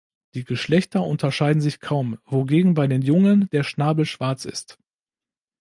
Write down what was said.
Die Geschlechter unterscheiden sich kaum, wogegen bei den Jungen der Schnabel schwarz ist.